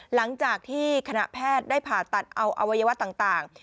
หลังจากที่คณะแพทย์ได้ผ่าตัดเอาอวัยวะต่าง